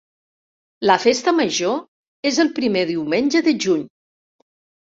La festa major és el primer diumenge de juny.